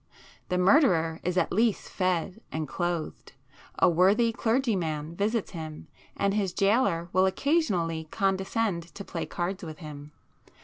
The murderer is at least fed and clothed,—a worthy clergyman visits him, and his gaoler will occasionally condescend to play cards with him.